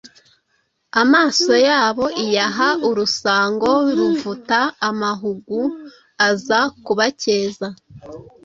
Amaso yabo iyaha urusango Ruvuta amahugu aza kubakeza